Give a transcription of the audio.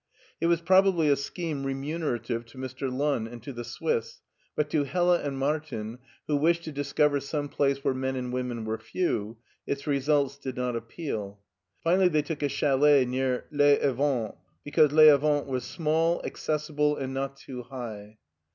It was probably a scheme remunerative to Mr. Lunn and to the Swi^, but to Hella and Martin, who wished to discover some place where men and women were few, its results did not appeal. Finally they took a chalet near Les Avants, because Les Avants was small, accessible, and not too high.